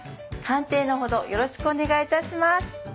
鑑定のほどよろしくお願いいたします。